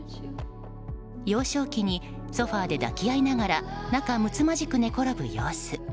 幼少期にソファで抱き合いながら仲むつまじく寝ころぶ様子。